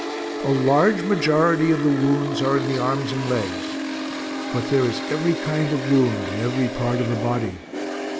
A large majority of the wounds are in the arms and legs. But there is every kind of wound in every part of the body.